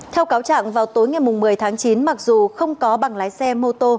theo cáo trạng vào tối ngày một mươi tháng chín mặc dù không có bằng lái xe mô tô